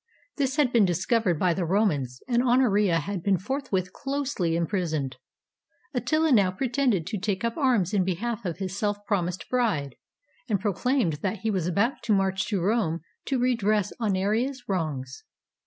This had been discovered by the Romans, and Honoria had been forthwith closely im prisoned. Attila now pretended to take up arms in behalf of his self promised bride, and proclaimed that he was about to march to Rome to redress Honoria 's wrongs.